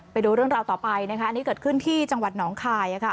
ไปดูเรื่องราวต่อไปนะคะอันนี้เกิดขึ้นที่จังหวัดหนองคาย